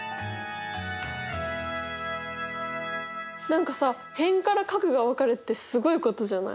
何かさ辺から角が分かるってすごいことじゃない？